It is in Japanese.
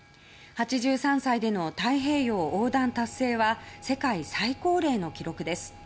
８３歳での太平洋横断達成は世界最高齢の記録です。